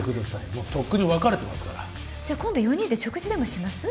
もうとっくに別れてますからじゃあ今度四人で食事でもします？